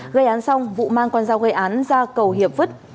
gây án xong vũ mang con dao gây án ra cầu hiệp vứt